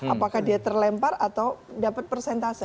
apakah dia terlempar atau dapat persentase